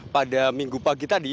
pada minggu pagi tadi